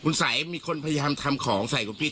คุณสัยมีคนพยายามทำของใส่คุณพี่